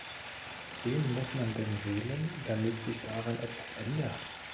Wen muss man denn wählen, damit sich daran etwas ändert?